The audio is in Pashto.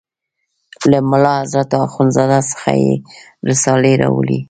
له ملا حضرت اخوند زاده څخه یې رسالې راوړې.